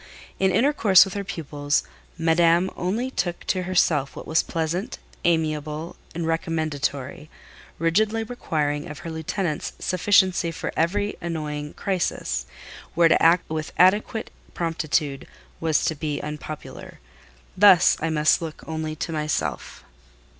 In intercourse with her pupils, Madame only took to herself what was pleasant, amiable, and recommendatory; rigidly requiring of her lieutenants sufficiency for every annoying crisis, where to act with adequate promptitude was to be unpopular. Thus, I must look only to myself.